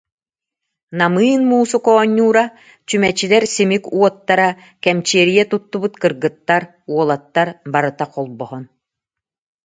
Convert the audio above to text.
Намыын муусука оонньуура, чүмэчилэр симик уот- тара, кэмчиэрийэ туттубут кыргыттар, уолаттар барыта холбоһон